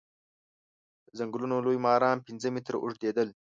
د ځنګلونو لوی ماران پنځه متره اوږديدل.